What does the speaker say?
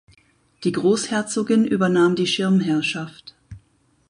Die Großherzogin übernahm die Schirmherrschaft.